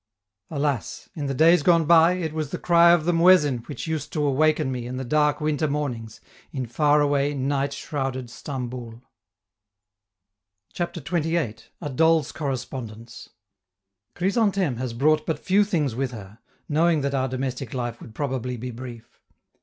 Alas! in the days gone by, it was the cry of the muezzin which used to awaken me in the dark winter mornings in faraway, night shrouded Stamboul. CHAPTER XXVIII. A DOLL'S CORRESPONDENCE Chrysantheme has brought but few things with her, knowing that our domestic life would probably be brief.